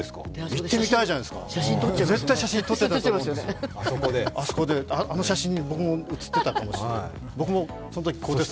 行ってみたいじゃないですか、写真撮って、あそこで、あの写真に僕も映ってかもしれない。